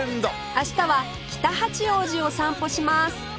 明日は北八王子を散歩します